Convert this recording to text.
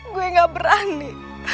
gue gak berani